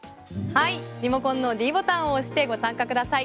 リモコンのｄボタンを押してご参加ください。